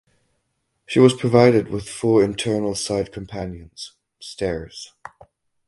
She was provided with four internal side companions (stairs).